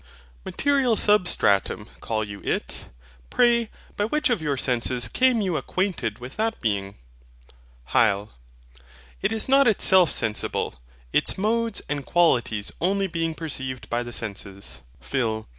MATERIAL SUBSTRATUM call you it? Pray, by which of your senses came you acquainted with that being? HYL. It is not itself sensible; its modes and qualities only being perceived by the senses. PHIL.